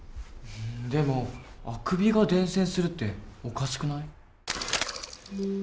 うんでもあくびが伝染するっておかしくない？